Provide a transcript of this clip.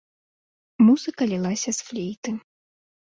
Музыка лілася з флейты.